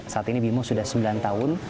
saat ini bimo sudah sembilan tahun